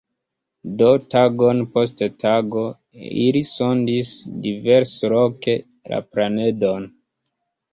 Do, tagon post tago, ili sondis diversloke la planedon.